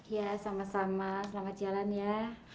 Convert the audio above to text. ya sama sama selamat jalan ya